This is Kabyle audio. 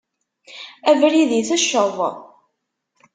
Abrid itecceḍ.